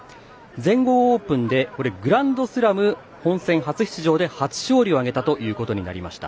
全豪オープンでグランドスラム本戦初勝利を挙げたということになりました。